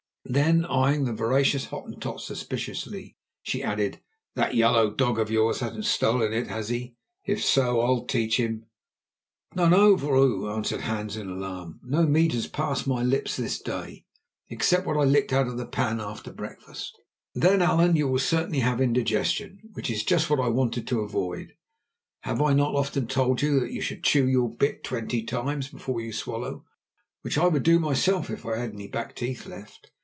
Then, eyeing the voracious Hottentot suspiciously, she added: "That yellow dog of yours hasn't stolen it, has he? If so, I'll teach him." "No, no, vrouw," answered Hans in alarm. "No meat has passed my lips this day, except what I licked out of the pan after breakfast." "Then, Allan, you will certainly have indigestion, which is just what I wanted to avoid. Have I not often told you that you should chew your bit twenty times before you swallow, which I would do myself if I had any back teeth left?